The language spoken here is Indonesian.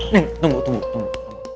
neng tunggu tunggu tunggu